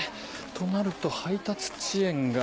となると配達遅延が。